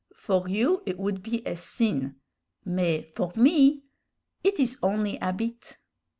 For you it would be a sin, mais for me it is only 'abit.